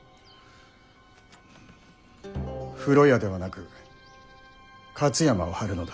風呂屋ではなく勝山を張るのだ。